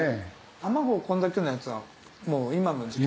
卵こんだけのやつは今の時期。